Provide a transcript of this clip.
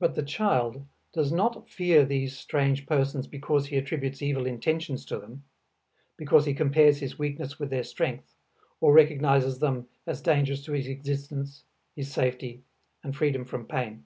But the child does not fear these strange persons because he attributes evil intentions to them, because he compares his weakness with their strength or recognizes them as dangerous to his existence, his safety and freedom from pain.